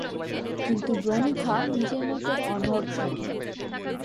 কিন্তু ব্রহ্মা নিজের মতে অনড় থাকেন।